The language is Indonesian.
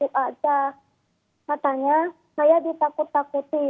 saya ditakut takuti katanya saya ditakut takuti